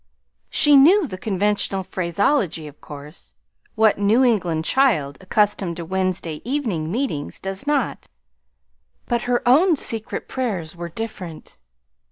She knew the conventional phraseology, of course; what New England child, accustomed to Wednesday evening meetings, does not? But her own secret prayers were different.